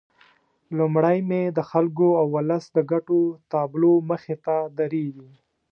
لومړی مې د خلکو او ولس د ګټو تابلو مخې ته درېږي.